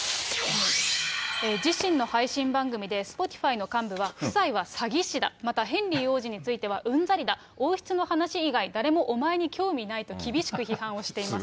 自身の配信番組で、スポティファイの幹部は、夫妻は詐欺師だ、またヘンリー王子については、うんざりだ、王室の話以外、誰もお前に興味ないと厳しく批判をしています。